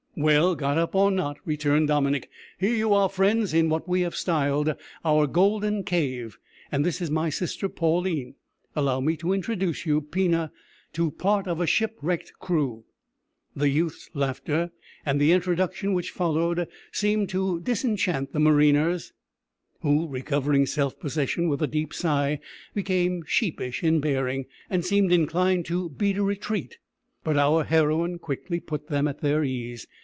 "Well, got up or not," returned Dominick, "here you are, friends, in what we have styled our golden cave, and this is my sister Pauline allow me to introduce you, Pina, to part of a shipwrecked crew." The youth's laughter, and the introduction which followed, seemed to disenchant the mariners, who, recovering self possession with a deep sigh, became sheepish in bearing, and seemed inclined to beat a retreat, but our heroine quickly put them at their ease.